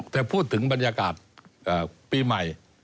แต่พูดถึงบรรยากาศปีใหม่